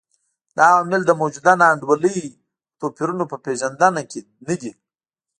دا عوامل د موجوده نا انډولۍ او توپیرونو په پېژندنه کې نه دي.